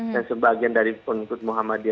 dan sebagian dari penutup muhammad